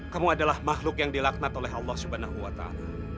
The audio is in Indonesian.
kamu adalah makhluk yang dilaknat oleh allah subhanahu wa ta'ala